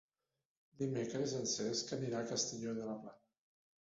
Dimecres en Cesc anirà a Castelló de la Plana.